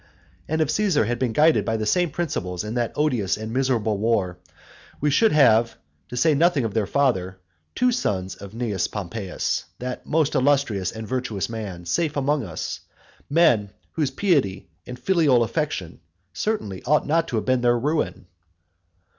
And if Caesar had been guided by the same principles in that odious and miserable war, we should have to say nothing of their father the two sons of Cnaeus Pompeius, that most illustrious and virtuous man, safe among us, men whose piety and filial affection certainly ought not to have been their ruin.